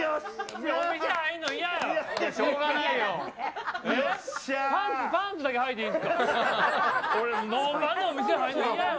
お店入るの嫌や。